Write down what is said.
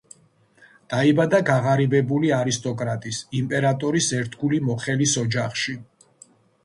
დაიბადა გაღარიბებული არისტოკრატის, იმპერატორის ერთგული მოხელის ოჯახში.